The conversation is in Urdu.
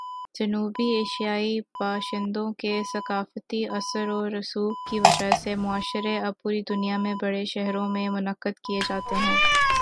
جنوبی ایشیائی باشندوں کے ثقافتی اثر و رسوخ کی وجہ سے، مشاعرے اب پوری دنیا کے بڑے شہروں میں منعقد کیے جاتے ہیں۔